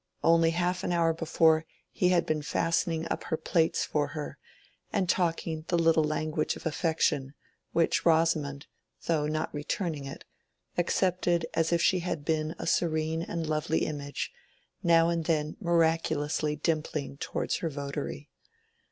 Only half an hour before he had been fastening up her plaits for her, and talking the "little language" of affection, which Rosamond, though not returning it, accepted as if she had been a serene and lovely image, now and then miraculously dimpling towards her votary.